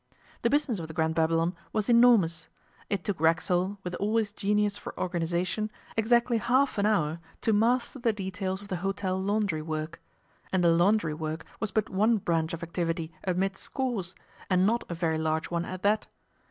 The business of the Grand Babylon was enormous. It took Racksole, with all his genius for organization, exactly half an hour to master the details of the hotel laundry work. And the laundry work was but one branch of activity amid scores, and not a very large one at that.